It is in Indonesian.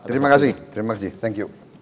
terima kasih terima kasih thank you